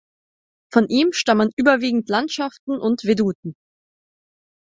Von ihm stammen überwiegend Landschaften und Veduten.